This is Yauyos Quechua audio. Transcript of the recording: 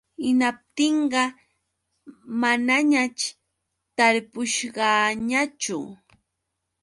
Hinaptinqa manañaćh tarpushqaañachu.